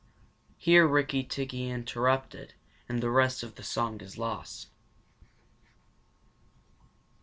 (Here Rikki tikki interrupted, and the rest of the song is lost.)